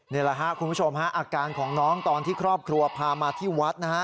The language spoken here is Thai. นี่แหละครับคุณผู้ชมฮะอาการของน้องตอนที่ครอบครัวพามาที่วัดนะฮะ